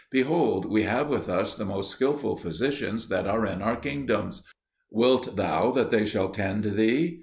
Behold, we have with us the most skilful physicians that are in our kingdoms. Wilt thou that they shall tend thee?